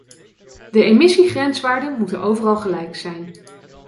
De emissiegrenswaarden moeten overal gelijk zijn.